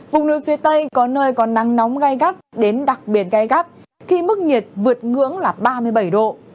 vùng núi phía tây có nơi có nắng nóng gai gắt đến đặc biệt gai gắt khi mức nhiệt vượt ngưỡng là ba mươi bảy độ